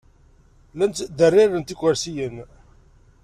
Llan ttderriren ikersiyen.